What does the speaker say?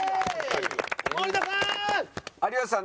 森田さーん！